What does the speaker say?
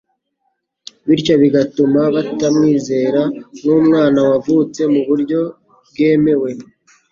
bityo bigatuma batamwizera nk'umwana wavutse mu buryo bwemewe.